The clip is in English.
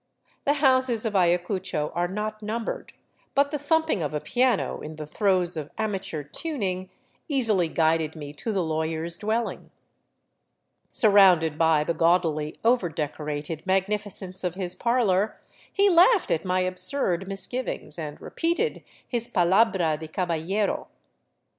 The houses of Ayacucho are not numbered, but the thumping of a piano in the throes of amateur tuning easily guided me to the lawyer's dwelling. Surrounded by the gaudily overdecorated magnificence of his parlor, he laughed at my absurd misgivings and repeated his " palabra de caballero."